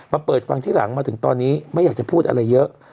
เปิดฟังที่หลังมาถึงตอนนี้ไม่อยากจะพูดอะไรเยอะ